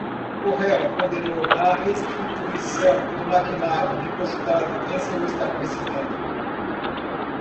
O réu condenou a restituição do maquinário depositado em seu estabelecimento.